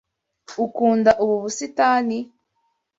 Ukunda ubu busitani?